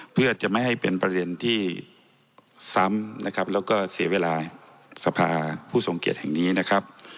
เพื่อจะไม่ให้เป็นประเด็นที่ซ้ำนะครับแล้วก็เสียเวลาสภาผู้ทรงเกียจแห่งนี้นะครับ